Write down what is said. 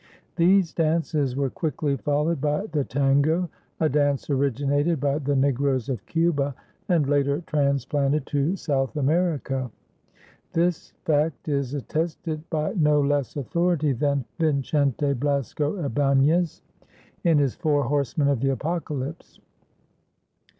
These dances were quickly followed by the "tango," a dance originated by the Negroes of Cuba and later transplanted to South America. (This fact is attested by no less authority than Vincente Blasco Ibañez in his "Four Horsemen of the Apocalypse.")